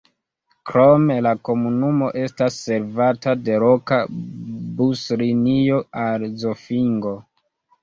Krome la komunumo estas servata de loka buslinio al Zofingo.